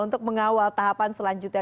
untuk mengawal tahapan selanjutnya